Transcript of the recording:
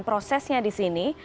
prosesnya di sini